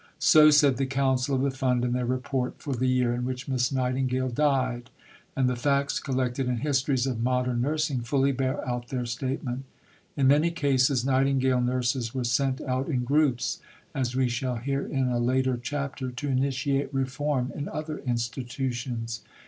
So said the Council of the Fund in their Report for the year in which Miss Nightingale died; and the facts collected in histories of modern nursing fully bear out their statement. In many cases Nightingale nurses were sent out in groups, as we shall hear in a later chapter, to initiate reform in other institutions.